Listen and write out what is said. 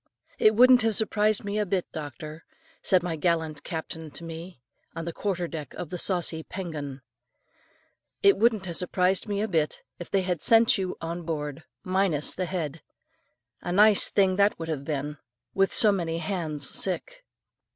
"It wouldn't have surprised me a bit, doctor," said my gallant captain to me, on the quarter deck of the saucy Pen gun, "It wouldn't have surprised me a bit, if they had sent you on board, minus the head. A nice thing that would have been, with so many hands sick."